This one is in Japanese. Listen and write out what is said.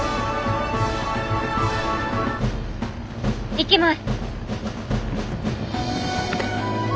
行きます。